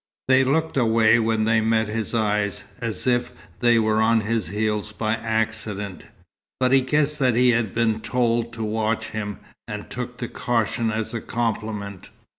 They looked away when they met his eyes, as if they were on his heels by accident; but he guessed that they had been told to watch him, and took the caution as a compliment.